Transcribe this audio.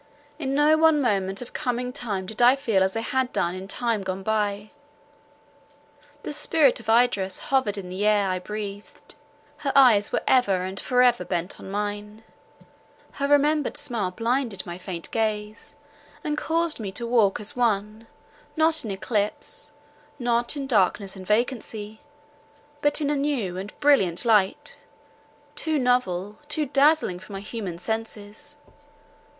In no one moment of coming time did I feel as I had done in time gone by. The spirit of Idris hovered in the air I breathed; her eyes were ever and for ever bent on mine; her remembered smile blinded my faint gaze, and caused me to walk as one, not in eclipse, not in darkness and vacancy—but in a new and brilliant light, too novel, too dazzling for my human senses.